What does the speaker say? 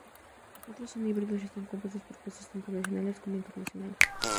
Otros son híbridos y están compuestos por jueces tanto nacionales como internacionales.